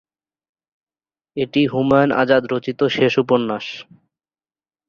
এটি হুমায়ুন আজাদ রচিত শেষ উপন্যাস।